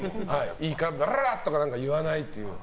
ラララとか言わないっていう。